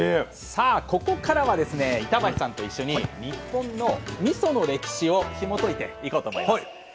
さあここからはですね板橋さんと一緒に日本のみその歴史をひもといていこうと思います。